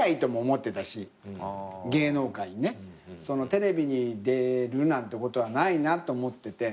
テレビに出るなんてことはないなと思ってて